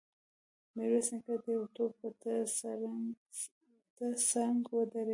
ميرويس نيکه د يوه توپ تر څنګ ودرېد.